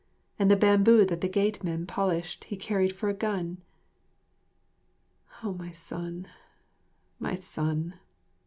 And the bamboo that the gateman polished he carried for a gun... O my son, my son!